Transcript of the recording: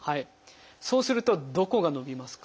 そうするとどこが伸びますか？